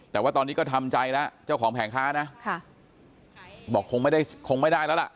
แต่ว่าตอนนี้ก็ทำใจแล้วเจ้าของแผงค้านะค่ะบอกคงไม่ได้คงไม่ได้แล้วล่ะ